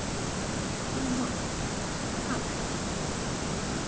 THE MONK. CALAIS.